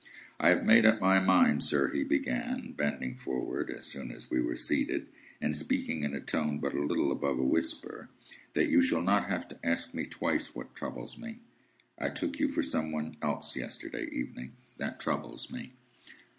"I have made up my mind, sir," he began, bending forward as soon as we were seated, and speaking in a tone but a little above a whisper, "that you shall not have to ask me twice what troubles me. I took you for some one else yesterday evening. That troubles me."